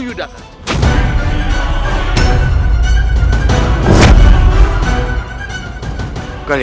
tidak akan kutip kaki